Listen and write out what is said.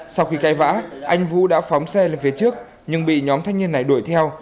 sau khi gây vã anh vũ đã phóng xe lên phía trước nhưng bị nhóm thanh niên này đuổi theo